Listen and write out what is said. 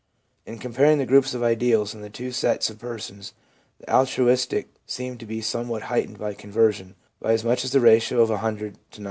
In comparing the groups of ideals in the two sets of persons, the altruistic seem to be somewhat heightened by conversion, by as much as the ratio of ioo to 95.